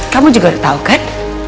kamu juga udah tau kan